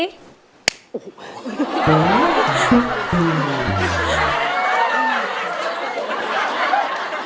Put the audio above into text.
โอ้โห